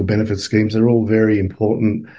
mereka semua sangat penting